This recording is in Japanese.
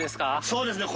そうですね